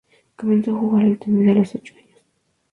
Comenzó a jugar al tenis a los ocho años.